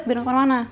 biar gak kemana mana